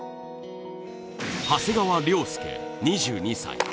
長谷川稜佑２２歳。